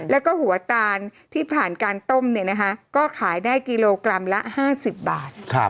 แล้วก็หัวตาลที่ผ่านการต้มก็ขายได้กิโลกรัมละ๕๐บาท